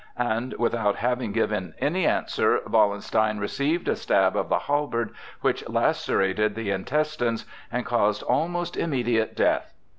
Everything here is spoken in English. And without having given any answer, Wallenstein received a stab of the halberd which lacerated the intestines and caused almost immediate death.